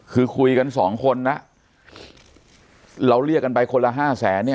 คือคุยกันสองคนนะเราเรียกกันไปคนละห้าแสนเนี่ย